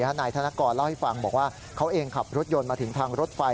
นายธนกรเล่าให้ฟังบอกว่าเขาเองขับรถยนต์มาถึงทางรถไฟ